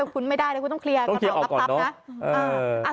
คุณไม่ได้เลยคุณต้องเคลียร์กระเป๋าลับนะ